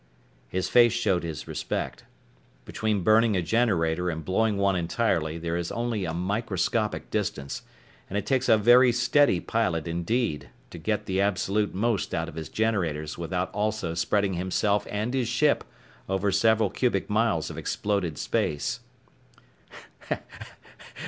His face showed his respect. Between burning a generator and blowing one entirely there is only a microscopic distance, and it takes a very steady pilot indeed to get the absolute most out of his generators without also spreading himself and his ship over several cubic miles of exploded space.